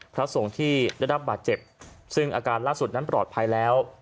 พระสงฆ์ที่ได้รับบาดเจ็บซึ่งอาการล่าสุดนั้นปลอดภัยแล้ว